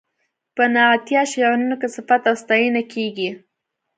په نعتیه شعرونو کې صفت او ستاینه کیږي.